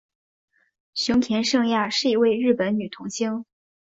熊田圣亚是一位日本女童星。